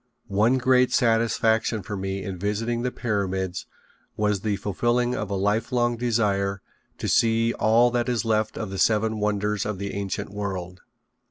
One great satisfaction for me in visiting the pyramids was the fulfilling of a life long desire to see all that is left of the seven wonders of the ancient world.